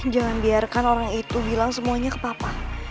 jangan biarkan orang itu bilang semuanya ke papa